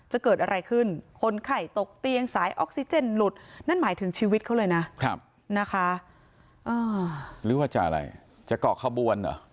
หรือว่าจะอะไรจะเกาะขบวนเหรอ